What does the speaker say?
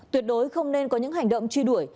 tuyệt đối không nên có những hành động truy đuổi